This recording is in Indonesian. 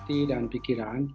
hati dan pikiran